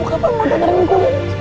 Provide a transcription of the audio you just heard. lo kapan mau dengerin gue